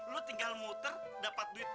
lo tinggal muter dapat duit